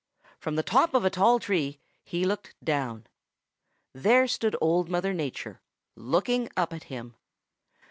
From the top of a tall tree he looked down. There stood Old Mother Nature, looking up at him.